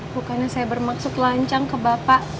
bukannya saya bermaksud lancang ke bapak